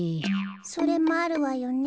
それもあるわよね。